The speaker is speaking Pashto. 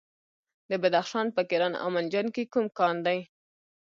د بدخشان په کران او منجان کې کوم کان دی؟